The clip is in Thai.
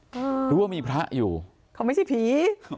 เพราะว่ามีพระอยู่เขาไม่ใช่ผี